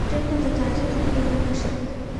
وژنه د تاریخ توره نښه ده